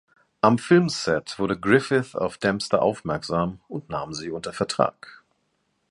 Am Filmset wurde Griffith auf Dempster aufmerksam und nahm sie unter Vertrag.